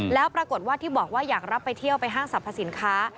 แล้วปรากฏว่าที่บอกว่าอยากรับไปเที่ยวไปห้างสรรพสินค้า